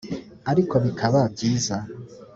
ariko bikaba byiza